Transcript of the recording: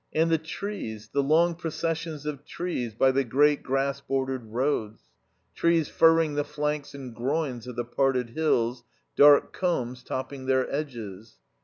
And the trees, the long processions of trees by the great grass bordered roads; trees furring the flanks and groins of the parted hills, dark combs topping their edges.